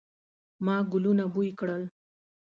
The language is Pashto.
ما ګلونه بوی کړل